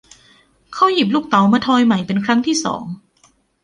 เขาหยิบลูกเต๋ามาทอยใหม่เป็นครั้งที่สอง